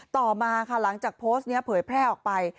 ต่อมาค่ะหลังจากโพสต์นี้เผยแพร่ออกไป